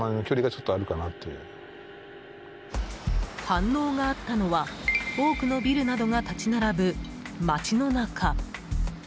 反応があったのは多くのビルなどが立ち並ぶ街の中。